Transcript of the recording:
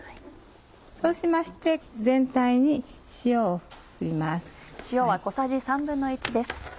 そうしまして全体に塩を振ります。